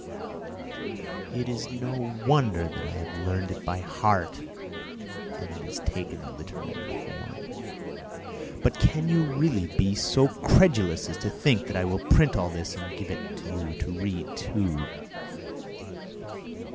It is no wonder that I have learned it by heart and it has taken a literary form.... But can you really be so credulous as to think that I will print all this and give it to you to read too?